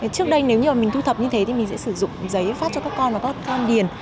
trước đây nếu như mình thu thập như thế thì mình sẽ sử dụng giấy phát cho các con và các con điền